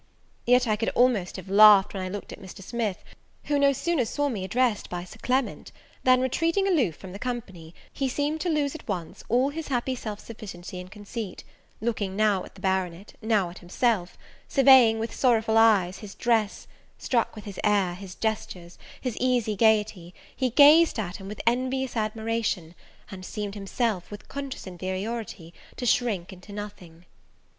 Yet I could almost have laughed when I looked at Mr. Smith, who no sooner saw me addressed by Sir Clement, than, retreating aloof from the company, he seemed to lose at once all his happy self sufficiency and conceit; looking now at the baronet, now at himself; surveying, with sorrowful eyes, his dress; struck with his air, his gestures, his easy gaiety, he gazed at him with envious admiration, and seemed himself, with conscious inferiority, to shrink into nothing.